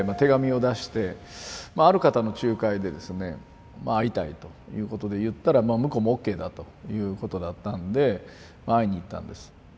ある方の仲介でですね会いたいということで言ったら向こうもＯＫだということだったんで会いに行ったんです。